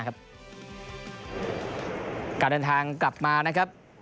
การเดินทางกลับมานะครับ